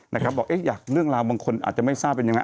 นะครับบอกอยากเรื่องราวบางคนอาจจะไม่ทราบเป็นอย่างไร